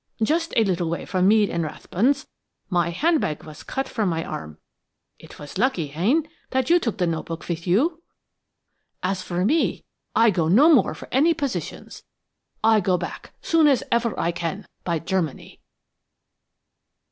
Just a little way from Mead & Rathbun's my hand bag was cut from my arm. It was lucky, hein, that you took the note book with you? As for me, I go out no more for any positions. I go back soon as ever I can, by Germany."